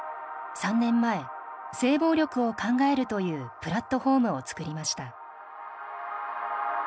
３年前「性暴力を考える」というプラットホームを作りました。